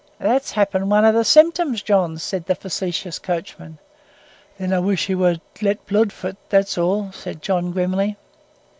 "That's happen one o' the symptims, John," said the facetious coachman. "Then I wish he war let blood for 't, that's all," said John, grimly.